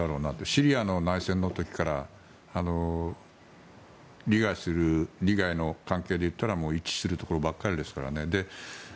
シリアの内戦の時から利害の関係で言ったら一致するところばかりですから。